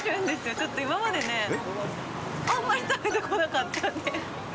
ちょっと、今までね、あんまり食べてこなかったんで。